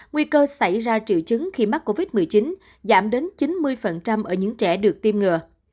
nguy cơ xảy ra triệu chứng khi mắc covid một mươi chín giảm đến chín mươi ở những trẻ được tiêm ngừa